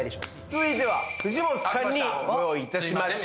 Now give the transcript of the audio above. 続いては藤本さんにご用意いたしました